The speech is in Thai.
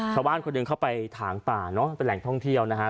ชาวบ้านคนหนึ่งเข้าไปถางป่าเนอะเป็นแหล่งท่องเที่ยวนะฮะ